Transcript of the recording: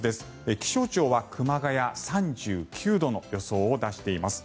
気象庁は熊谷、３９度の予想を出しています。